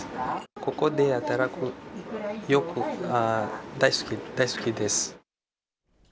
ここで働く、大好きです。